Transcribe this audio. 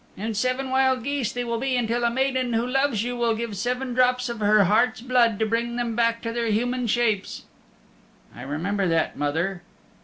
"And seven wild geese they will be until a maiden who loves you will give seven drops of her heart's blood to bring them back to their human shapes." "I remember that, mother."